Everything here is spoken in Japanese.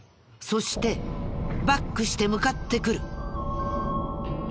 そしてバックして向かってくる。